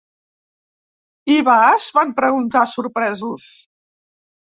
"Hi vas?", van preguntar, sorpresos.